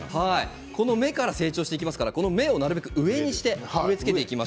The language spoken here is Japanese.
この芽から成長していきますので芽をなるべく上にして植え付けていきます。